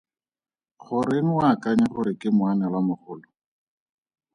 Goreng o akanya gore ke moanelwamogolo?